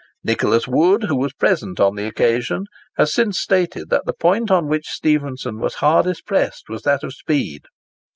Nicholas Wood, who was present on the occasion, has since stated that the point on which Stephenson was hardest pressed was that of speed.